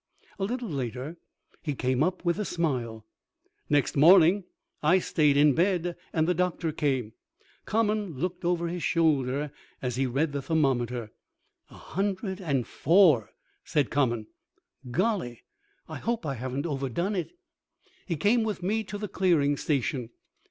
A little later he came up with a smile.... Next morning I stayed in bed and the doctor came. Common looked over his shoulder as he read the thermometer. "A hundred and four," said Common. "Golly! I hope I haven't over done it." He came with me to the clearing station.